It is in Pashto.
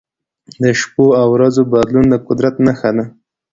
د شپو او ورځو بدلون د قدرت نښه ده.